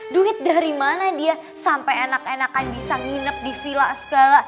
duit dari mana dia sampai anak anakan bisa nginep di villa segala